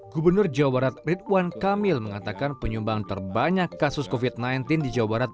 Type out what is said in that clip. gubernur jawa barat ridwan kamil mengatakan penyumbang terbanyak kasus covid sembilan belas di jawa barat